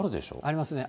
ありますね。